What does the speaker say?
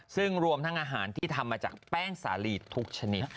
ซึ่งรวมทั้งอาหารที่ทำมาจากแป้งสาลีทุกชนิด